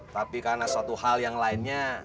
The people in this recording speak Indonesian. tapi karena suatu hal yang lainnya